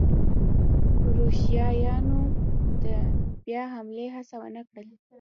کروشیایانو د بیا حملې هڅه ونه کړل.